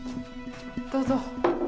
どうぞ。